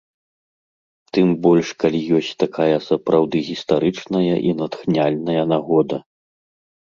Тым больш калі ёсць такая сапраўды гістарычная і натхняльная нагода!